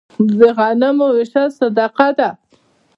د غنمو ویشل صدقه ده.